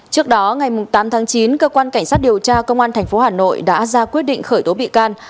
trước đó ngày tám tháng chín cơ quan cảnh sát điều tra công an tp hà nội đã ra quyết định khởi tố bị can